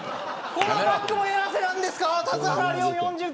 このパックもやらせなんですか。